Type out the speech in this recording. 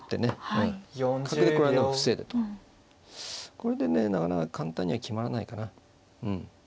これでねなかなか簡単には決まらないかなうん。